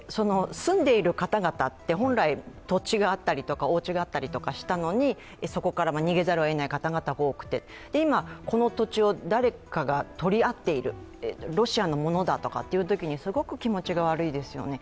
住んでいる方々って本来土地があったりお家があったりとかしたのに、そこから逃げざるをえない方々が多くて今、この土地を誰かが取り合っている、ロシアのものだとかというときにすごい気持ちが悪いですよね。